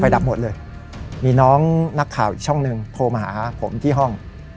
ดับหมดเลยมีน้องนักข่าวอีกช่องหนึ่งโทรมาหาผมที่ห้อง